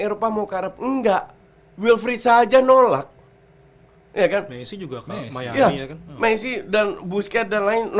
eropa mau ke arab enggak wilfried saja nolak ya kan juga kalau masih dan busket dan lain